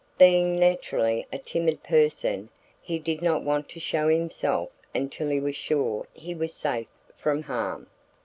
Being naturally a timid person he did not want to show himself until he was sure he was safe from harm.